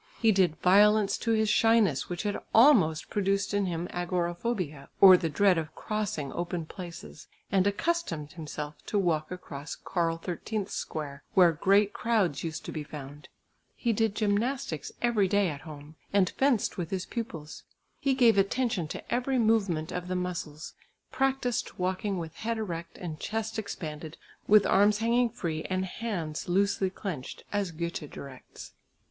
He did violence to his shyness, which had almost produced in him "agoraphobia," or the dread of crossing open places, and accustomed himself to walk across Karl XIII's square where great crowds used to be found. He did gymnastics every day at home, and fenced with his pupils. He gave attention to every movement of the muscles; practised walking with head erect and chest expanded, with arms hanging free and hands loosely clenched, as Goethe directs.